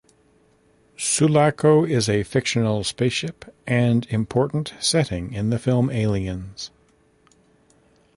"Sulaco" is a fictional spaceship and important setting in the film "Aliens".